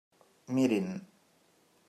Mirin!